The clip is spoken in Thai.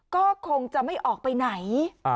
ก็คงจะไม่ออกไปไหน